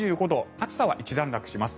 暑さは一段落します。